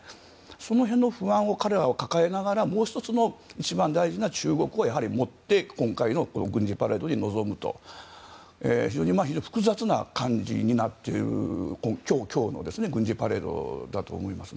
その辺の不安を彼らは抱えながら、もう１つの一番大事な中国をやはりもって今回の軍事パレードに臨むと非常に複雑な感じになっている今日の軍事パレードだと思います。